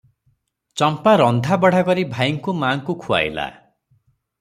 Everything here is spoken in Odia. ଚମ୍ପା ରନ୍ଧା ବଢା କରି ଭାଇଙ୍କୁ ମା'ଙ୍କୁ ଖୁଆଇଲା ।